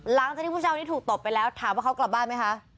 หลังจากที่ผู้ชายคนนี้ถูกตบไปแล้วถามว่าเขากลับบ้านไหมคะ